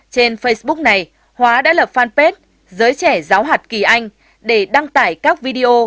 trên facebook này hóa đã lập fanpage giới trẻ giáo hạt kỳ anh để đăng tải các video